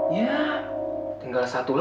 ya tinggal satu lagi